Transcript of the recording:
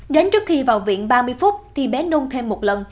đến trước khi vào viện ba mươi phút thì bé nung thêm một lần